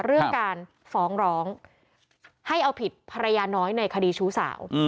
เรื่องการฟ้องร้องให้เอาผิดภรรยาน้อยในคดีชู้สาว